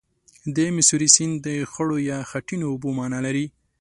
د میسوری سیند د خړو یا خټینو اوبو معنا لري.